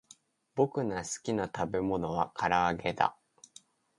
ぼくのすきなたべものはからあげだ